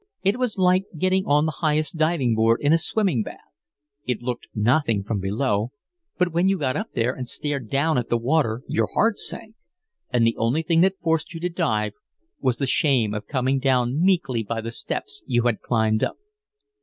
It was like getting on the highest diving board in a swimming bath; it looked nothing from below, but when you got up there and stared down at the water your heart sank; and the only thing that forced you to dive was the shame of coming down meekly by the steps you had climbed up.